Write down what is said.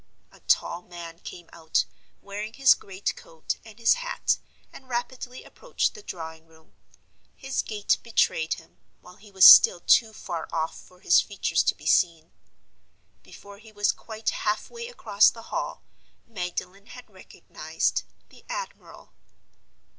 A tall man came out, wearing his great coat and his hat, and rapidly approached the drawing room. His gait betrayed him, while he was still too far off for his features to be seen. Before he was quite half way across the Hall, Magdalen had recognized—the admiral.